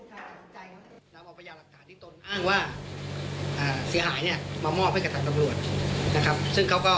เค้าได้มอบคลิปมาให้กับเรา